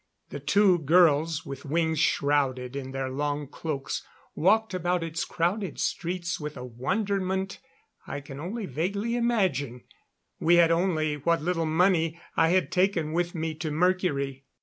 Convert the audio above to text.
The two girls, with wings shrouded in their long cloaks, walked about its crowded streets with a wonderment I can only vaguely imagine. We had only what little money I had taken with me to Mercury.